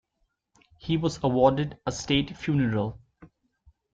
He was awarded a state funeral.